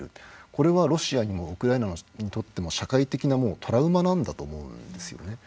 これはロシアにもウクライナにとっても社会的なトラウマなんだと思うんですね。